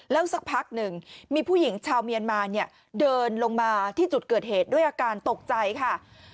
แล้วสักพักหนึ่งมีผู้หญิงชาวเมียนมาเนี่ยเดินลงมาที่จุดเกิดเหตุด้วยอาการตกใจค่ะ